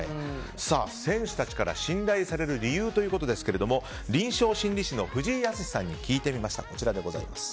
選手たちから信頼される理由ということですが臨床心理士の藤井靖さんに聞いてみました。